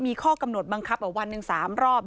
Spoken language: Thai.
มีข้อกำหนดบังคับวันหนึ่ง๓รอบ